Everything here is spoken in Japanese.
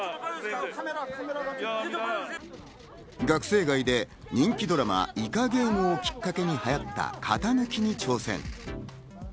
学生街で人気ドラマ『イカゲーム』をきっかけにはやった型抜きに挑戦。